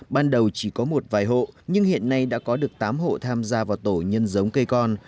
ban đầu chỉ có một vài hộ nhưng hiện nay đã có được tám hộ tham gia vào tổ nhân giống cây con